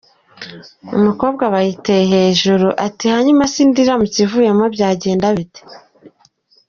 Umukobwa aba yitereye hejuru ati hanyuma se inda iramutse ivuyemo byagenda bite ?